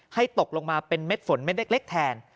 ตกลงมาเป็นเม็ดฝนเม็ดเล็กแทน